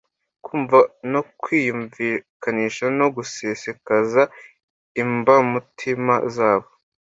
kumva no kwiyumvikanisha no gusesekaza imbamutima zabo